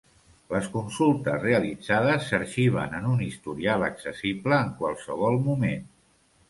Les consultes realitzades s'arxiven en un historial accessible en qualsevol moment.